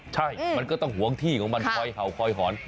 ใช่มันก็ต้องห่วงที่ของมันคอยเห่าคอยหอน